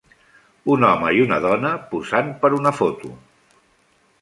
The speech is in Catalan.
un home i una dona posant per una foto